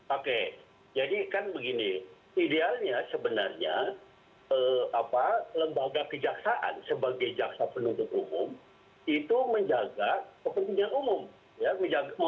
oke jadi kan begini idealnya sebenarnya lembaga kejaksaan sebagai jaksa penuntut umum itu menjaga kepentingan umum